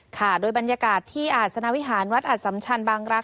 ค่ะโดยบรรยากาศที่อาศนาวิหารวัดอัดสัมชันบางรักษ